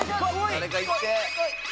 誰かいって！